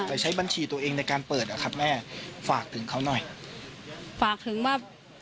ไปใช้บัญชีตัวเองในการเปิดอ่ะครับแม่ฝากถึงเขาหน่อยฝากถึงว่า